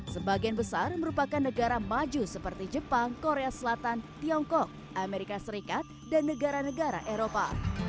sebagian besar merupakan negara maju seperti jepang korea selatan tiongkok amerika serikat dan negara negara eropa